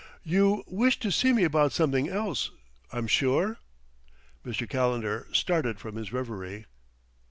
"You wished to see me about something else, I'm sure?" Mr. Calendar started from his reverie.